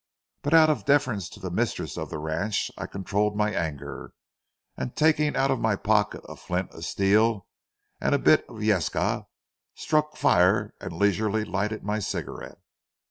But out of deference to the mistress of the ranch, I controlled my anger, and, taking out of my pocket a flint, a steel, and, a bit of yesca, struck fire and leisurely lighted my cigarette.